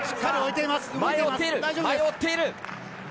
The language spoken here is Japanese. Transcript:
前を追っている。